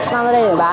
mang ra đây để bán